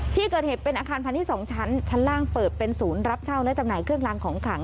ที่เกิดเหตุเป็นอาคารพาณิชย์๒ชั้นชั้นล่างเปิดเป็นศูนย์รับเช่าและจำหน่ายเครื่องลางของขัง